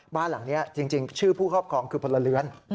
บ้านหลังนี้จริงชื่อผู้ครอบครองคือพลเรือน